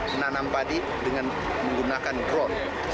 menanam padi dengan menggunakan drone